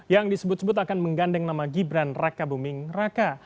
yang disebut sebut akan menggandeng nama gibran rakebumi ngeraka